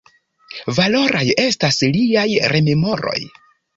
Valoraj estas liaj rememoroj.